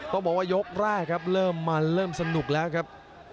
ต้องบอกว่ายกแรกครับเริ่มมันเริ่มสนุกแล้วครับ